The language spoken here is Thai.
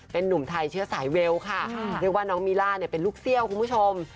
เป็นนุ่มไทยเชื้อสายเวลค่ะเรียกว่าน้องมิล่าเนี่ยเป็นลูกเซี่ยวคุณผู้ชม